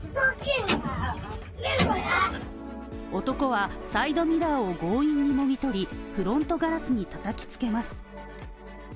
男はサイドミラーを強引にもぎ取り、フロントガラスにたたきつけます。